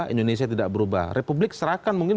indonesia tidak berubah republik serahkan mungkin